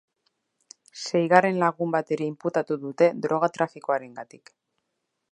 Seigarren lagun bat ere inputatu dute droga trafikoarengatik.